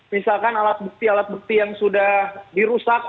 misalkan alat bukti alat bukti yang sudah dirusak